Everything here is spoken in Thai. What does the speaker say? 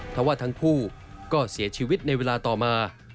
เพราะว่าทั้งคู่ก็เสียชีวิตในเวลาต่อมา